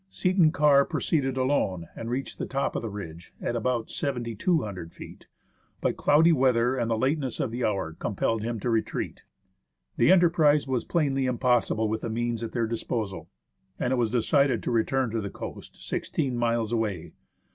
Seton Karr proceeded alone, and reached the top of the ridge, at about 7,200 feet, but cloudy weather and the lateness of the hour compelled him to retreat. The enterprise was plainly impossible with the means at their disposal, and it was decided to return to the coast, sixteen miles away.